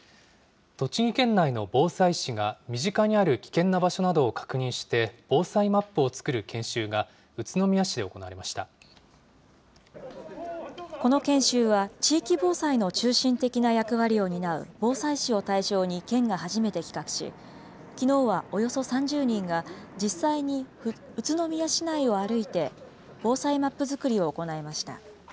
栃木県内の防災士が、身近にある危険な場所などを確認して、防災マップを作る研修が、この研修は、地域防災の中心的な役割を担う防災士を対象に県が初めて企画し、きのうはおよそ３０人が、実際に宇都宮市内を歩いて、防災マップ作りを行いました。